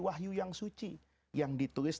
wahyu yang suci yang ditulis